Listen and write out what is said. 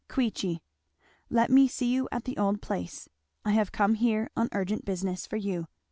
"Queechy. "Let me see you at the old place. I have come here on urgent business for you.